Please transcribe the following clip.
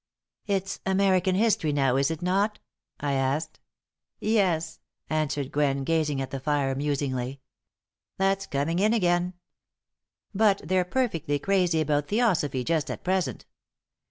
"It's American history now, is it not?" I asked. "Yes," answered Gwen, gazing at the fire musingly. "That's coming in again. But they're perfectly crazy about theosophy just at present.